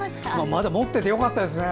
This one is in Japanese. まだ持っててよかったですね。